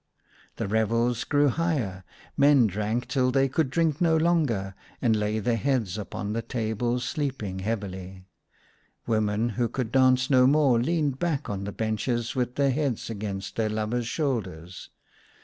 The revels grew higher. Men drank till they could drink no longer, and lay their heads upon the table sleeping heavily. Women who could dance no more leaned back on the benches with their heads against their lovers' shoulders.